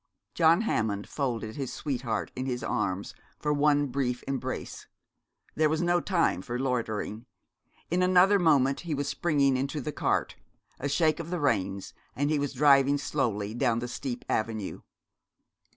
John Hammond folded his sweetheart in his arms for one brief embrace; there was no time for loitering. In another moment he was springing into the cart. A shake of the reins, and he was driving slowly down the steep avenue.